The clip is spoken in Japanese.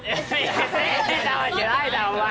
未成年なわけないだろお前